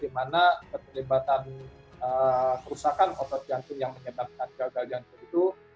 di mana keterlibatan kerusakan otot jantung yang menyebabkan gagal jantung itu